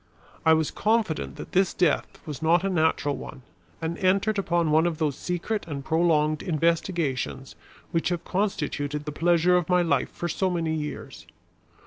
I was confident that his death was not a natural one, and entered upon one of those secret and prolonged investigations which have constituted the pleasure of my life for so many years.